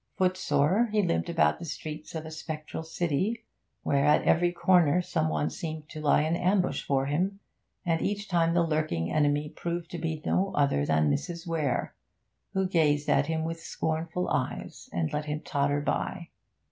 Footsore, he limped about the streets of a spectral city, where at every corner some one seemed to lie in ambush for him, and each time the lurking enemy proved to be no other than Mrs. Weare, who gazed at him with scornful eyes and let him totter by.